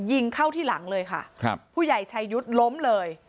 ยิงเข้าที่หลังเลยค่ะครับผู้ใหญ่ชายุทธ์ล้มเลย